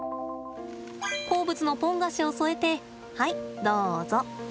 好物のポン菓子を添えてはい、どうぞ。